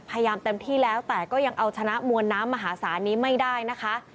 เต็มที่แล้วแต่ก็ยังเอาชนะมวลน้ำมหาศาลนี้ไม่ได้นะคะ